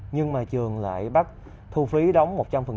nhưng mà trường lại bắt thu phí đóng một trăm linh